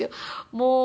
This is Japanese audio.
もう。